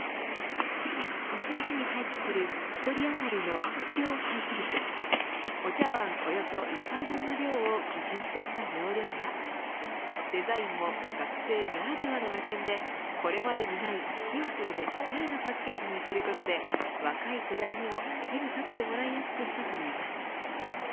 １日に廃棄する１人当たりの食料廃棄物お茶わんおよそ１杯分の量を基準とした容量やデザインも、学生ならではの目線で、これまでにないシンプルでオシャレなパッケージにすることで若い世代にも手に取ってもらいやすくしたといいます。